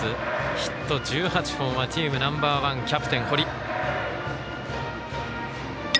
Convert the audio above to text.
ヒット１８本はチームナンバーワンキャプテン、堀。